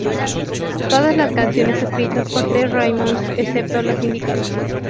Todas las canciones escritas por The Ramones excepto las indicadas.